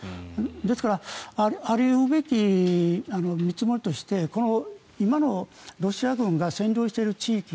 ですからあり得るべき見積もりとしてこの今のロシア軍が占領している地域